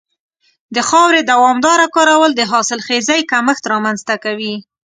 د خاورې دوامداره کارول د حاصلخېزۍ کمښت رامنځته کوي.